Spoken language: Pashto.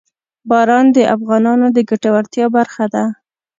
باران د افغانانو د ګټورتیا برخه ده.